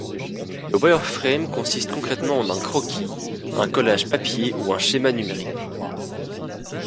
Le wireframe consiste concrètement en un croquis, un collage papier ou un schéma numérique.